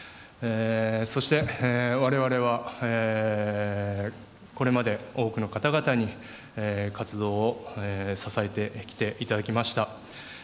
そして、我々はこれまで多くの方々に活動を支えてきていただきました。